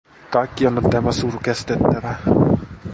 Kaikkien on tämä suru kestettävä.